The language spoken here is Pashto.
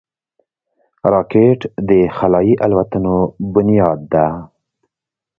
راکټ د خلایي الوتنو بنیاد ده